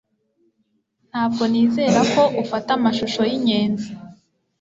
Ntabwo nizera ko ufata amashusho yinyenzi